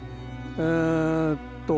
えっと